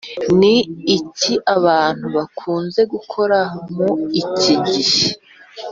ni iki abantu bakunze gukora mu cyigihe